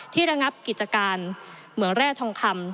ระงับกิจการเมืองแร่ทองคำ